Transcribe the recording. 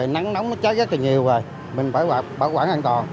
nóng nóng cháy rất là nhiều rồi mình phải bảo quản an toàn